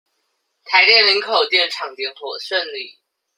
台電林口電廠點火順利